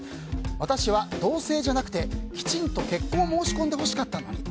私は同棲じゃなくてきちんと結婚を申し込んでほしかったのに。